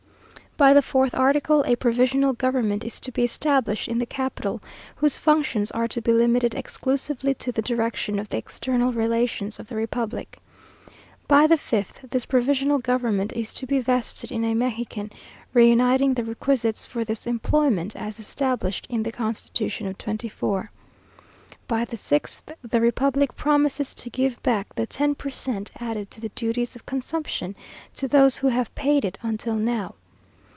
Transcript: By the fourth article, a provisional government is to be established in the capital, whose functions are to be limited exclusively to the direction of the external relations of the republic. By the fifth, this provisional government is to be vested in a Mexican, reuniting the requisites for this employment, as established in the constitution of '24. By the sixth, the republic promises to give back the ten per cent, added to the duties of consumption, to those who have paid it until now.